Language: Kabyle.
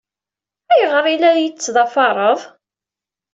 Ayɣer ay la iyi-tettḍafareḍ?